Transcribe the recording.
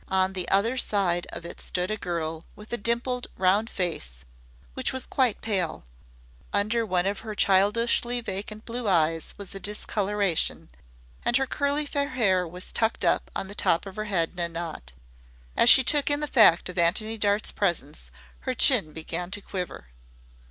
On the other side of it stood a girl with a dimpled round face which was quite pale; under one of her childishly vacant blue eyes was a discoloration, and her curly fair hair was tucked up on the top of her head in a knot. As she took in the fact of Antony Dart's presence her chin began to quiver.